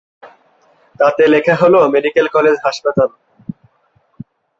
তাতে লেখা হল ‘মেডিকেল কলেজ হাসপাতাল’।